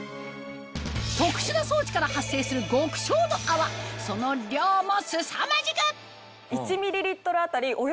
特殊な装置から発生する極小の泡その量もすさまじく！